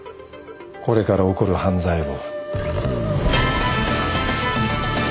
これから起こる犯罪を。